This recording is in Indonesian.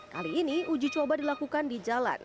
kali ini uji coba dilakukan di jalan